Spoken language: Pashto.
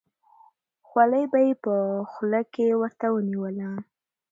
خولۍ به یې په خوله کې ورته ونیوله.